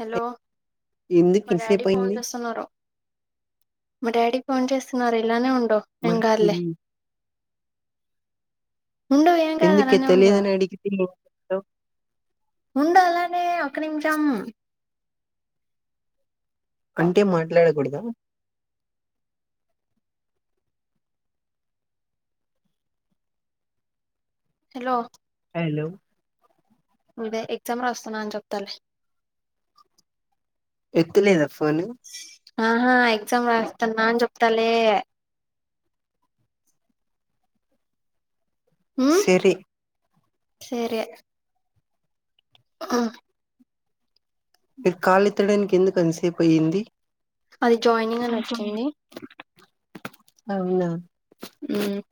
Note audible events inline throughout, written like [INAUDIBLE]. Hello ఎందుకు మా daddy ఇంతసేపు ఫోన్ అయింది చేస్తున్నారు. మా డాడీ ఫోన్ చేస్తున్నారు ఇలానే ఉండో ఏం మరి కాదులే ఉండు ఏం కాదు అలానే ఉండు ఎందుకెత్తలేదని అడికితే ఉండ అలానే ఒక్క నిమిషం అంటే మాట్లాడ కుడదా హలో హలో అదే ఎగ్జామ్ రాస్తున్నా అని చెప్తాలె ఎత్తులేదా ఫోను ఆహా ఎగ్జామ్ రాస్తున్నా అని చెప్తాలే సరి సరె ఆ మీరు కాలెత్తడానికి ఎందుకంతలిసేపయింది? అది జాయినింగ్ అని అచ్చింది. అవునా ఉమ్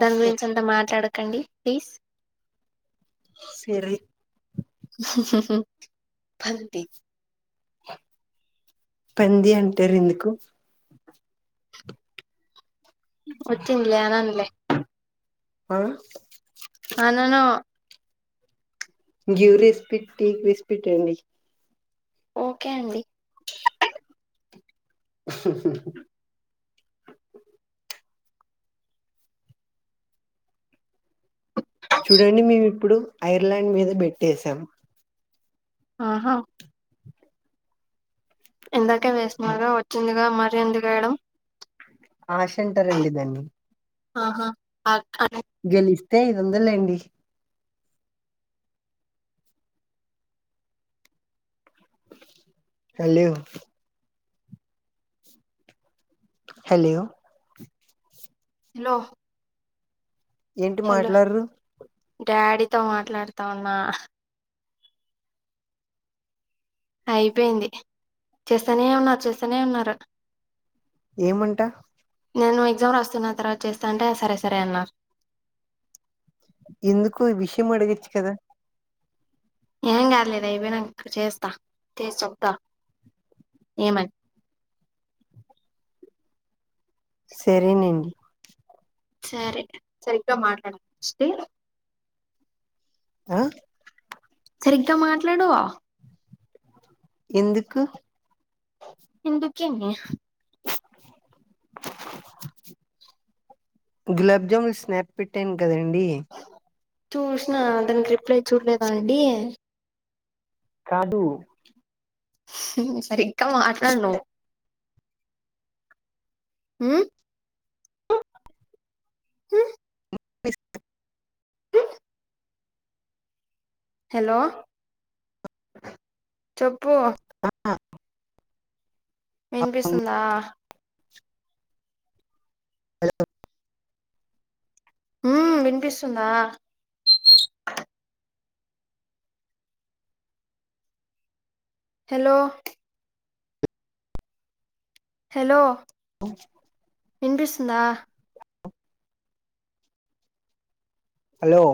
దాని ఓకే గురించి అంత మాట్లాడకండి ప్లీజ్ సరె పంది పంది అంటారు ఎందుకు? వచ్చింగ్లే అనన్లే ఆ అనను గ్యూరిస్పిట్టీ విస్పిట్ అండి ఓకే అండి [INAUDIBLE] పుడు ఐర్లాండ్ మీద బెట్టేసాం ఆహా ఎందాకే వేస్తున్నారు వచ్చిందిగా మరీ ఎందుకు ఏయడం ఆశ అంటారండి దాన్ని ఆహా అక్ అట్ గెలిస్తే ఐదు వందల్ లేండి హ లేవ్ హలో హలో ఏంటి మాట్లాడ్రు తో మాట్లాడుతా ఉన్నా అయిపోయింది చేస్తానే ఉన్నారు చేస్తానే ఉన్నారు. ఏమంట నేను ఎగ్జామ్ రాస్తున్న తర్వాత చేస్తా అంటే ఆ సరే సరే అన్నా ఎందుకు విషయం అడగొచ్చు కదా ఏం గాదులే ఇది అయిపోయినంకా చేస్తా చేసి చేప్తా ఏమని సరేనండి సరే సరిగ్గా మాట్లాడు స్టే ఆ సరిగ్గా మాట్లాడూ ఎందుకు ఎందుకేంది గులాబ్జామున్ స్నాప్ పెట్టాను గదండి చూసిన దానికి రిప్లై చూడలేదా అండి కాదూ సరిగ్గా మాట్లాడు నువ్ ఉమ్ హు ఇస్క్ హు హలో చెప్పు ఆ ఆ విన్పిస్తుందా [INAUDIBLE] హలో ఉమ్ వినిపిస్తుందా హలో హలో [INAUDIBLE] వినిపిస్తుందా [INAUDIBLE] హలో